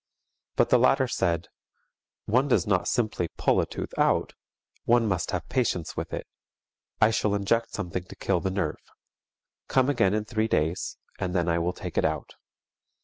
But the latter said, "One does not simply pull a tooth out, one must have patience with it. I shall inject something to kill the nerve. Come again in three days and then I will take it out."